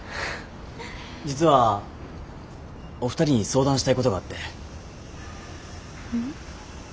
実はお二人に相談したいことがあって。